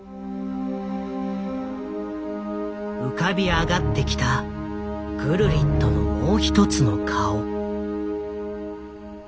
浮かび上がってきたグルリットのもう一つの顔。